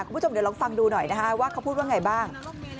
คุณผู้ชมเดี๋ยวลองฟังดูหน่อยนะคะว่าเขาพูดว่าไงบ้าง